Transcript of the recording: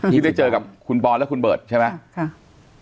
ที่ได้เจอกับคุณปอนและคุณเบิร์ตใช่ไหม